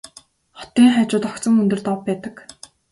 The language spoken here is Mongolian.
Хотын хажууд огцом өндөр дов байдаг.